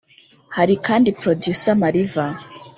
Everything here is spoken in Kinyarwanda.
Hari kandi Producer Mariva